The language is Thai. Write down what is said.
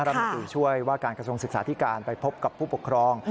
รัฐมนตรีช่วยว่าการกระทรวงศึกษาธิการไปพบกับผู้ปกครอง